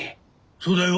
そうだよ。